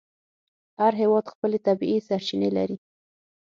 هر هېواد خپلې طبیعي سرچینې لري.